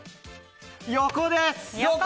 横です！